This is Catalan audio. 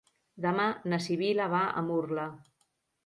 Demà na Sibil·la va a Murla.